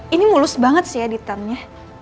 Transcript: ini mulus banget sih editannya